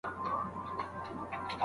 د اوبو د یوه سېل باندي ګذر وو